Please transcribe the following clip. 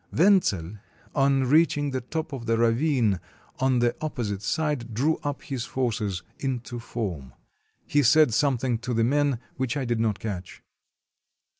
Wentzel, on reaching the top of the ravine on the op posite side, drew up his forces into form. He said some thing to the men, which I did not catch.